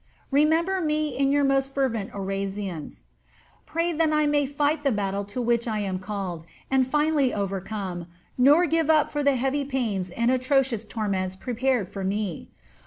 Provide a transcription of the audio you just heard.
Remember me in your most fervent oraiaons, pray that I may fight the battle to which I am called, and finally overcome, nor give up fbr the heavy pains and atrocious torments prepared for me